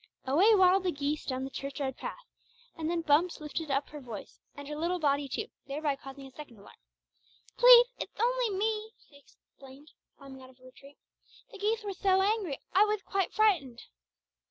Away waddled the geese down the church yard path, and then Bumps lifted up her voice, and her little body too, thereby causing a second alarm. "Pleath it's only me," she explained, climbing out of her retreat. "The geeth were so angry, I wath quite frightened!"